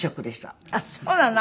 あっそうなの？